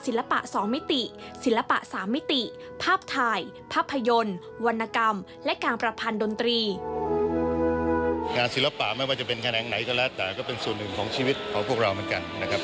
ศิลปะไม่ว่าจะเป็นแขนงไหนเท่าไรแต่ก็เป็นศูนย์หนึ่งของชีวิตของพวกเราเหมือนกัน